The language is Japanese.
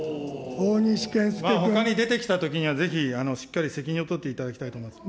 ほかに出てきたときにはぜひ、しっかり責任を取っていただきたいと思います。